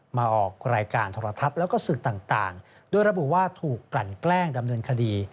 มาออกรายการโทรทัศน์แล้วก็สื่อต่างโดยระบุว่าถูกกลั่นแกล้งดำเนินคดี